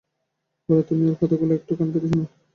গোরা, তুমি ওঁর কথাগুলো একটু কান পেতে শুনো।